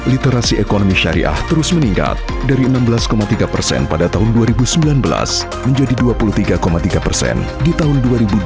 literasi ekonomi syariah terus meningkat dari enam belas tiga persen pada tahun dua ribu sembilan belas menjadi dua puluh tiga tiga persen di tahun dua ribu dua puluh